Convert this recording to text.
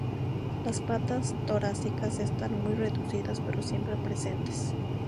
Las patas torácicas están muy reducidas pero siempre presentes.